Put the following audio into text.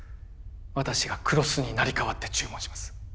私が黒須に成り代わって注文します